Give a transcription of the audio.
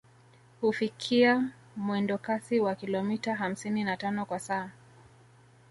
Hufikia mwendokasi wa kilometa hamsini na tano kwa saa